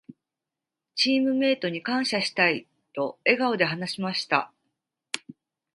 「チームメイトに感謝したい」と笑顔で話しました。